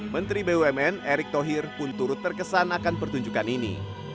menteri bumn erick thohir pun turut terkesan akan pertunjukan ini